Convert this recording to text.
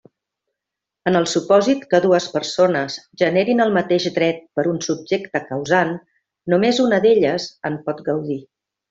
En el supòsit que dues persones generin el mateix dret per un subjecte causant, només una d'elles en pot gaudir.